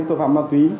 tội phạm ma túy